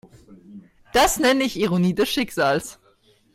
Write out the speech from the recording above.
Das nenne ich Ironie des Schicksals.